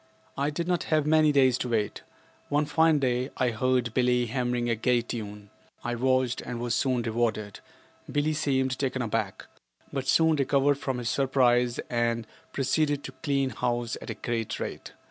I did not have many days to wait. One fine day I heard Billie hammering a gay tune. I watched and was soon rewarded. Billie seemed taken aback, but soon recovered from his surprise and proceeded to clean house at a great rate.